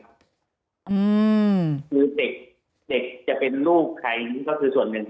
คือเด็กจะเป็นลูกใครนี่ก็คือส่วนหนึ่ง